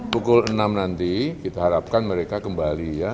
pukul enam nanti kita harapkan mereka kembali ya